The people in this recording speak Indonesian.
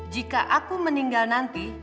jika aku meninggal nanti